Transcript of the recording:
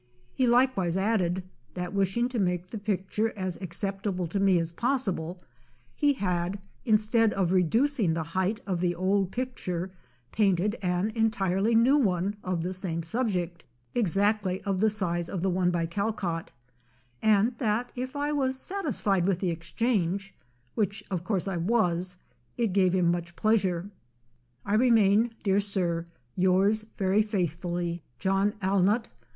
He like wise added, that wishing to make the picture as acceptable to me as possible, he had, instead of reducing the height of the old picture, painted an entirely new one of the same subject, exactly of the size of the one by Callcott; and that if I was satisfied with the exchange (which of course I was), it gave him much pleasure. I remain, dear Sir, yours very faith 42 Life of Constable fully, John Allmitt.